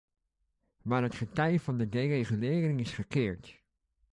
Maar het getij van de deregulering is gekeerd.